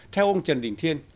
theo ông trần đình thiên